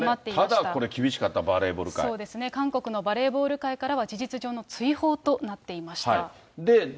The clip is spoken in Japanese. ただこれ、厳しかった、そうですね、韓国のバレーボール界からは事実上の追放となっていました。